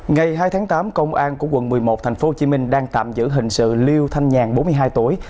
ngày hai tháng tám công an của quận một mươi một tp hcm đang tạm giữ hình sự liêu thanh nhàn bốn mươi hai tuổi